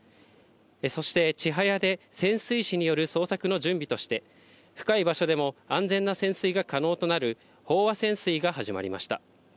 そしてちはやで潜水士による捜索の準備として、深い場所でも安全な潜水が可能となる飽和潜水が始まりました。